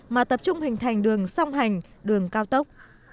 mà tập trung hình thành đường song hành đường cao tốc